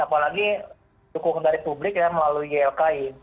apalagi dukungan dari publik melalui lki